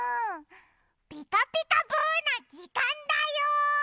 「ピカピカブ！」のじかんだよ！